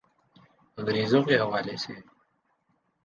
انگریزوں کے حوالے سے۔